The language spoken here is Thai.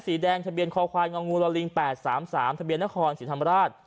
สีแดงทะเบียนคอควายงองูลอลิง๘๓๓ทะเบียนนครศรีธรรมราช